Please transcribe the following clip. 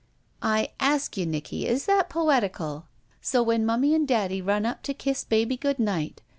"I ask you, Nicky, is that poetical? *So when 260 ROULETTE mummie and daddie run up to kiss baby good night.'